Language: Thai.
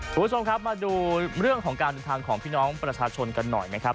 คุณผู้ชมครับมาดูเรื่องของการเดินทางของพี่น้องประชาชนกันหน่อยนะครับ